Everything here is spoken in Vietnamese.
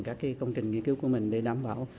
các công trình nghiên cứu của mình để đảm bảo